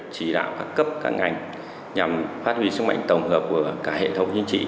chỉ đạo các cấp các ngành nhằm phát huy sức mạnh tổng hợp của cả hệ thống chính trị